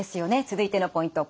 続いてのポイント